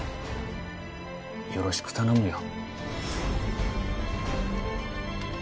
よろしく頼むよ。